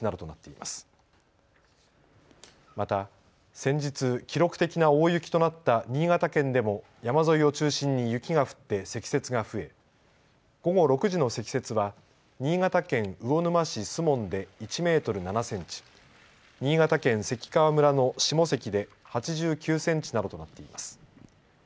また先日、記録的な大雪となった新潟県でも山沿いを中心に雪が降って積雪が増え、午後６時の積雪は新潟県魚沼市守門で１メートル７センチ、新潟県関川村の下関で８９センチなどとなっています。